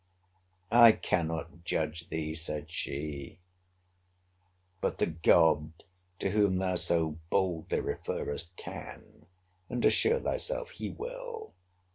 I cannot judge thee, said she; but the GOD to whom thou so boldly referrest can, and, assure thyself, He will.